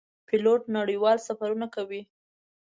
پیلوټ نړیوال سفرونه کوي.